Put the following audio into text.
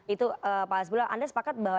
itu pak hasbullah anda sepakat bahwa